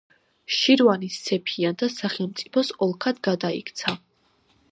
შირვანი სეფიანთა სახელმწიფოს ოლქად გადაიქცა.